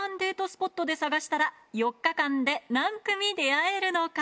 スポットで探したら４日間で何組出会えるのか？